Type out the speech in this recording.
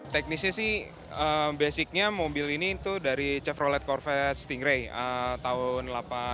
teknisnya sih basicnya mobil ini itu dari chevrolet corvette stingray tahun delapan puluh enam